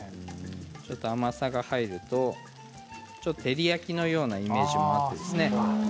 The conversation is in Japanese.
ちょっと甘さが入ると照り焼きのようなイメージもあるんですね。